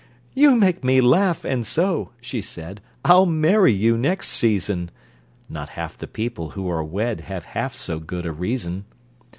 "You make me laugh, and so," she said, "I'll marry you next season." (Not half the people who are wed Have half so good a reason!)